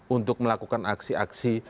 untuk melakukan aksi aksi